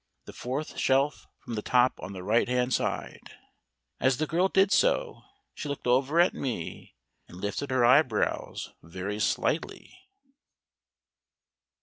The fourth shelf from the top on the right hand side." As the girl did so she looked over her hand at me, and lifted her eyebrows very slightly.